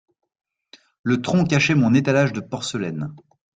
Le tronc cachait mon étalage de porcelaines.